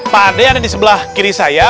pak andre ada di sebelah kiri saya